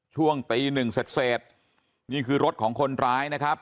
ช่วงตีหนึ่งเสร็จเสร็จนี่คือรถของคนร้ายนะครับ